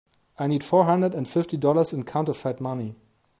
I need four hundred and fifty dollars in counterfeit money.